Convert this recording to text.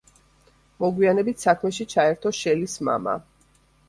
მოგვიანებით საქმეში ჩაერთო შელის მამა.